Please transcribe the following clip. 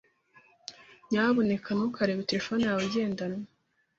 Nyamuneka ntukarebe terefone yawe igendanwa.